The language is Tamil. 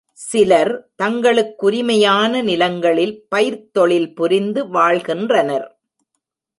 சிலர் தங்களுக்குரிமையான நிலங்களில் பயிர்த் தொழில் புரிந்து வாழ்கின்றனர்.